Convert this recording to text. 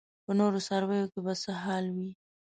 په نورو ځایونو کې به څه حال وي.